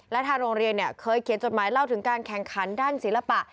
และทางโรงเรียนเคยเขียนจดหมายเล่าถึงการแข่งขันด้านศิลปะ